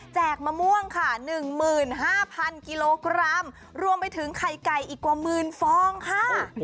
มะม่วงค่ะ๑๕๐๐กิโลกรัมรวมไปถึงไข่ไก่อีกกว่าหมื่นฟองค่ะ